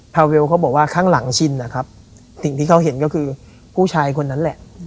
เวลเขาบอกว่าข้างหลังชินนะครับสิ่งที่เขาเห็นก็คือผู้ชายคนนั้นแหละ